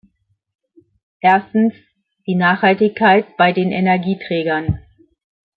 Erstens, die Nachhaltigkeit bei den Energieträgern.